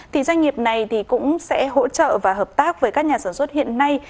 thì doanh nghiệp này cũng sẽ hỗ trợ và hợp tác với các nhà sản xuất hiện nay